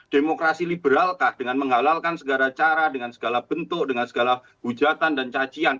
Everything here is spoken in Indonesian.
demokrasi liberalkah dengan menghalalkan segala cara dengan segala bentuk dengan segala hujatan dan cacian